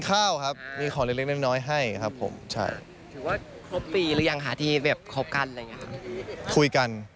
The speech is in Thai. ใช้คำว่าคุย